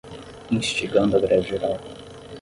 Instigando a greve geral